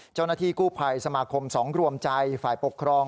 เจ้าหน้าที่กู้ภัยสมาคม๒รวมใจฝ่ายปกครอง